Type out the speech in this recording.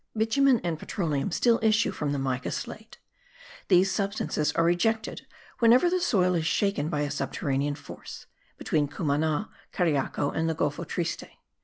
Bitumen and petroleum still issue from the mica slate; these substances are ejected whenever the soil is shaken by a subterranean force (between Cumana, Cariaco and the Golfo Triste).